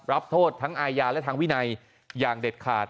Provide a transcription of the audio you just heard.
รับโทษทั้งอาญาและทางวินัยอย่างเด็ดขาด